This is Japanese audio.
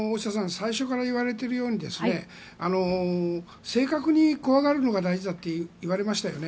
最初から言われているように正確に怖がるのが大事だといわれましたよね。